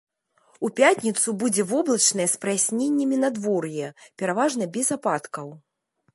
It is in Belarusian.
У пятніцу будзе воблачнае з праясненнямі надвор'е, пераважна без ападкаў.